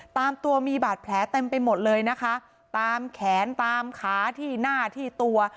ตามตัวมีบาดแผลเต็มไปหมดเลยนะคะตามแขนตามขาที่หน้าที่ตัว